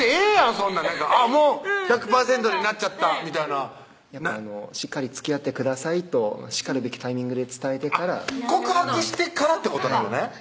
そんなん「あぁもう１００％になっちゃった」みたいなしっかり「付き合ってください」としかるべきタイミングで伝えてから告白してからってことなのね